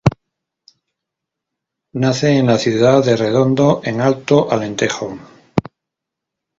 Nace en la ciudad de Redondo, en Alto Alentejo.